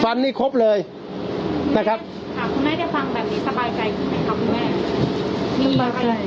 ฟันนี้ละครับนะครับ